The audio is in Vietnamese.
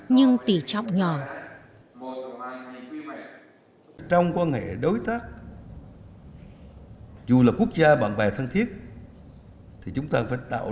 nhưng tỉ chóc nhỏ